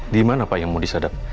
di mana pak yang mau disadap